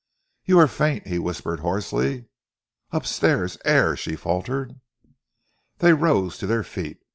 "You are faint?" he whispered hoarsely. "Upstairs air," she faltered. They rose to their feet.